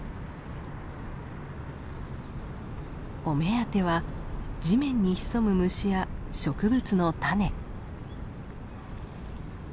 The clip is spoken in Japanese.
お目当ては地面に潜む虫や植物の種。